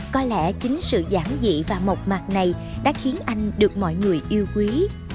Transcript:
có lẽ chính sự giảng dị và mộc mạc này đã khiến anh được mọi người yêu quý